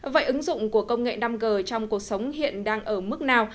vậy ứng dụng của công nghệ năm g trong cuộc sống hiện đang ở mức nào